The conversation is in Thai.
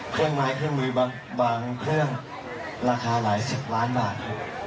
เครื่องไม้เครื่องมือบางเครื่องราคาหลายสิบล้านบาท